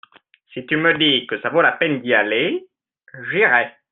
si tu me dis que ça vaut la peine d'y aller j'irai.